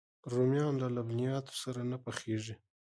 رومیان له لبنیاتو سره نه پخېږي